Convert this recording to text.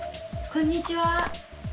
こんにちは。